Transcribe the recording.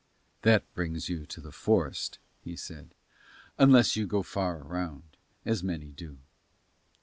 "That brings you to the forest," he said, "unless you go far around, as many do."